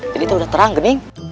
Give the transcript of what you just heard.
jadi itu udah terang gening